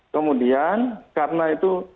kemudian karena itu